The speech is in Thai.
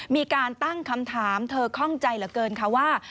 มีการตั้งคำถามเธอคล่องใจเหลือเกินค่ะว่า